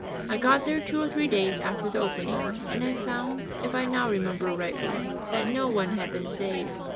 I got there two or three days after the opening, and I found, if I now remember rightly, that no one had been saved.